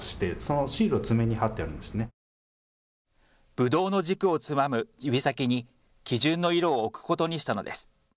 ぶどうの軸をつまむ指先に基準の色を置くことにしたのです。